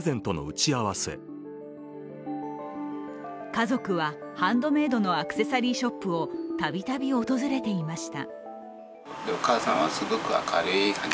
家族はハンドメイドのアクセサリーショップを度々訪れていました。